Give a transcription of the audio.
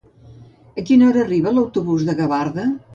A quina hora arriba l'autobús de Gavarda?